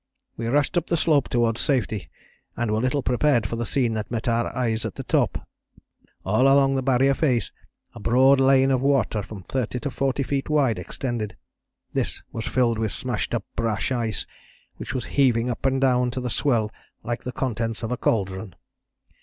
We rushed up the slope towards safety, and were little prepared for the scene that met our eyes at the top. All along the Barrier face a broad lane of water from thirty to forty feet wide extended. This was filled with smashed up brash ice, which was heaving up and down to the swell like the contents of a cauldron.